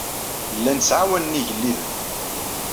Llan ttɛawanen igellilen.